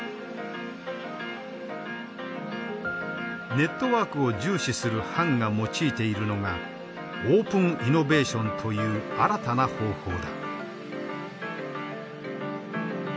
ネットワークを重視する潘が用いているのがオープンイノベーションという新たな方法だ。